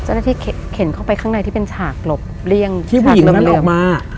เข็นเข้าไปข้างในที่เป็นฉากหลบเลี่ยงที่ผู้หญิงคนนั้นออกมา